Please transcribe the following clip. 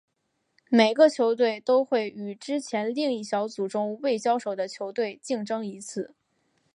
每个球队都会与之前另一小组中未交手的球队竞争一次。